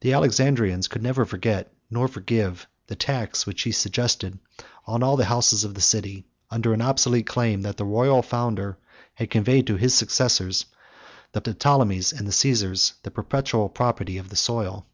The Alexandrians could never forget, nor forgive, the tax, which he suggested, on all the houses of the city; under an obsolete claim, that the royal founder had conveyed to his successors, the Ptolemies and the Cæsars, the perpetual property of the soil.